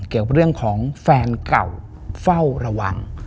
เกี่ยวกับเรื่องของแฟนเก่าเฝ้าระวัง